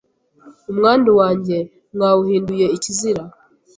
umwandu wanjye mwawuhinduye ikizira